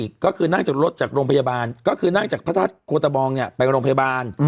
ก็คือนั่งจากพระทราชโคตรบองเนี่ยไปกับโรงพยาบาล